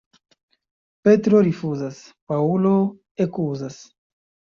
Petro rifuzas, Paŭlo ekuzas.